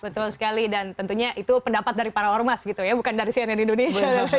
betul sekali dan tentunya itu pendapat dari para ormas gitu ya bukan dari cnn indonesia